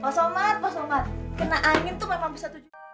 pak somad pak somad kena angin tuh memang bisa